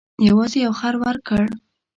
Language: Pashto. یوازې یو خر ورکړ.